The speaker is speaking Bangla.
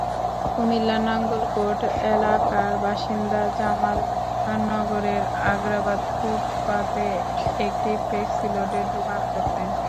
কুমিল্লার নাঙ্গলকোট এলাকার বাসিন্দা জামাল নগরের আগ্রাবাদে ফুটপাতে একটি ফ্লেক্সিলোডের দোকান করতেন।